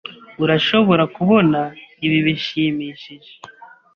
Urashobora kubona ibi bishimishije.